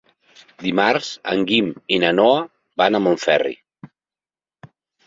Dimarts en Guim i na Noa van a Montferri.